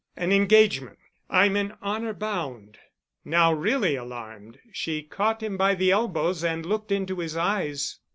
An engagement. I'm in honor bound——" Now really alarmed, she caught him by the elbows and looked into his eyes.